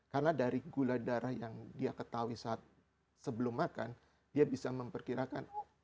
karena dari gula darah yang dia ketahui saat sebelum makan dia bisa memperkirakan